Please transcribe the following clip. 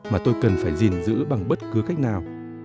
mà tôi cần phải gìn giữ bằng bất cứ cách nào